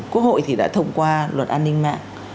quốc hội thì đã thông qua luật an ninh mạng